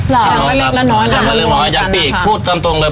น้อยกว่าเล็กแล้วน้อยน้อยกว่าเล็กแล้วน้อยอย่างปีกพูดกำตรงเลย